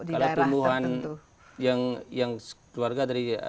kalau ini tumbuhan yang keluarga dari leguminosium